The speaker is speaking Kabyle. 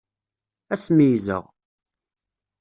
Ad s-meyyzeɣ.